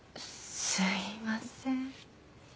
すいません。